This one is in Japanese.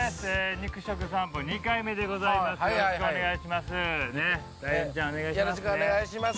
肉食さんぽ２回目でございます。